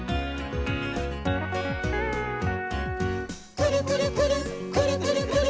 「くるくるくるっくるくるくるっ」